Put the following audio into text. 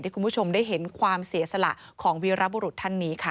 คุณผู้ชมได้เห็นความเสียสละของวีรบุรุษท่านนี้ค่ะ